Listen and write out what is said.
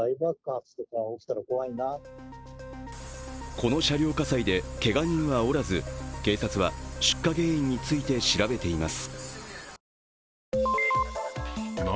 この車両火災でけが人はおらず、警察は出火原因について調べています。